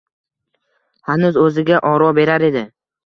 hanuz o‘ziga oro berar edi.